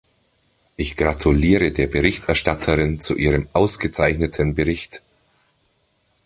Ich gratuliere der Berichterstatterin zu ihrem ausgezeichneten Bericht.